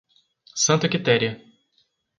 Santa Quitéria